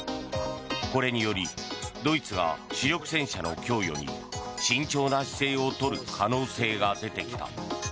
これによりドイツが主力戦車の供与に慎重な姿勢を取る可能性が出てきた。